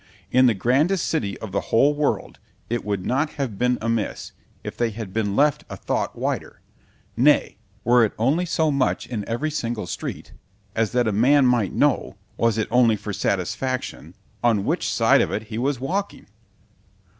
In the grandest city of the whole world, it would not have been amiss, if they had been left a thought wider; nay, were it only so much in every single street, as that a man might know (was it only for satisfaction) on which side of it he was walking.